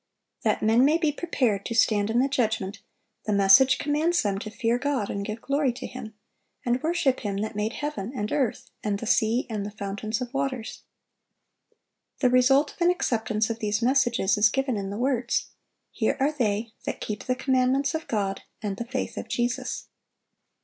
That men may be prepared to stand in the judgment, the message commands them to "fear God, and give glory to Him," "and worship Him that made heaven, and earth, and the sea, and the fountains of waters." The result of an acceptance of these messages is given in the words, "Here are they that keep the commandments of God, and the faith of Jesus."